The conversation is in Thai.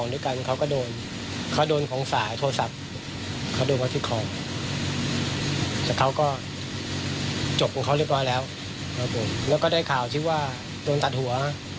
แต่เขาก็จบกับเขาเรียกว่าแล้วข้าวที่ว่าโดนตัดหัว